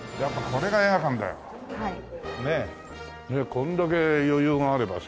これだけ余裕があればさ。